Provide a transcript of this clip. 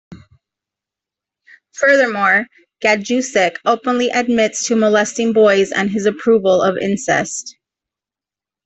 Furthermore, Gajdusek openly admits to molesting boys and his approval of incest.